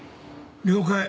了解。